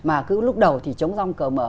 mà cứ lúc đầu thì chống rong cờ mở